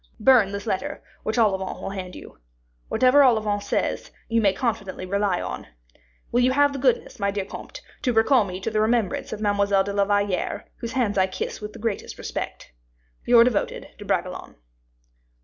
Burn this letter, which Olivain will hand you. Whatever Olivain says, you may confidently rely on. Will you have the goodness, my dear comte, to recall me to the remembrance of Mademoiselle de la Valliere, whose hands I kiss with the greatest respect. "Your devoted "DE BRAGELONNE.